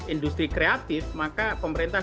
industri kreatif maka pemerintah